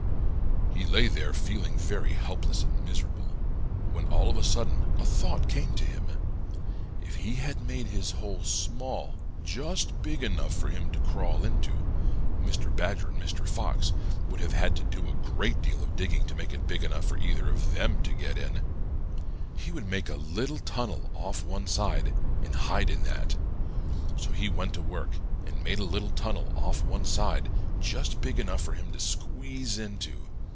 "He lay there feeling very helpless and miserable, when all of a sudden a thought came to him. If he had made his hole small, just big enough for him to crawl into, Mr. Badger and Mr. Fox would have had to do a great deal of digging to make it big enough for either of them to get in! He would make a little tunnel off one side and hide in that. So he went to work and made a little tunnel off one side just big enough for him to squeeze into.